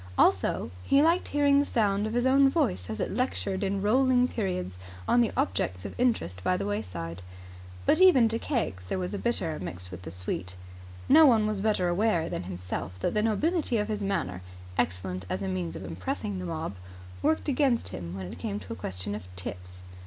Also he liked hearing the sound of his own voice as it lectured in rolling periods on the objects of interest by the way side. But even to Keggs there was a bitter mixed with the sweet. No one was better aware than himself that the nobility of his manner, excellent as a means of impressing the mob, worked against him when it came to a question of tips.